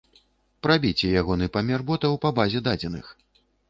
Прабіце ягоны памер ботаў па базе дадзеных.